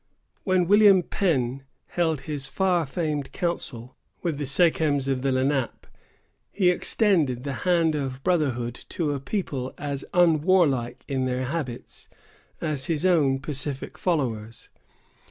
When William Penn held his far famed council with the sachems of the Lenape, he extended the hand of brotherhood to a people as unwarlike in their habits as his own pacific followers.